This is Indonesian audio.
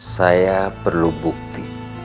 saya perlu bukti